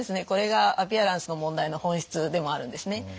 これがアピアランスの問題の本質でもあるんですね。